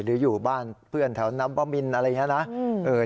หรืออยู่บ้านเพื่อนแถวนับว่ามิลอะไรอย่างนี้นะ